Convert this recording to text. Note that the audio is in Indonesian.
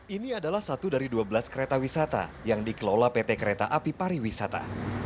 ini adalah satu dari dua belas kereta wisata yang dikelola pt kereta api pariwisata